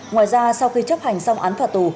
ngoài ra sau khi chấp hành xong án phạt tù